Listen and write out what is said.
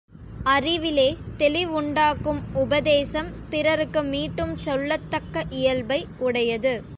அறிவிலே தெளிவுண்டாக்கும் உபதேசம் பிறருக்கு மீட்டும் சொல்லத்தக்க இயல்பை உடையது.